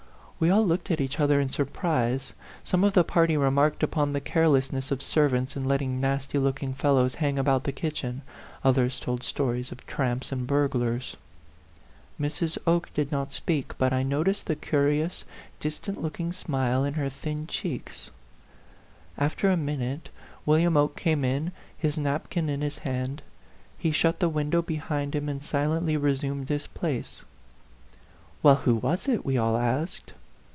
We all looked at each other in surprise ; some of the party remarked upon the carelessness of servants in letting nasty looking fellows hang about the kitchen, others told stories of tramps and burglars. Mrs. Oke did not speak ; but I noticed the curious, distant looking smile in her thin cheeks. After a minute, William Oke came in, his napkin in his hand. He shut the win dow behind him and silently resumed his place. u Well, who was it ?" we all asked.